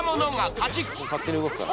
勝手に動くから。